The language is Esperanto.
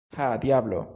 Ha, diablo!